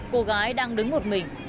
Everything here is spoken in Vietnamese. cô gái đang đứng một mình